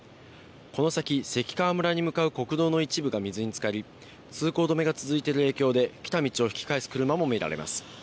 この先、関川村に向かう国道の一部が水につかり、通行止めが続いている影響で、来た道を引き返す車も見られます。